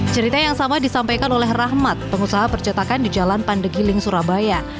cerita yang sama disampaikan oleh rahmat pengusaha percetakan di jalan pandegiling surabaya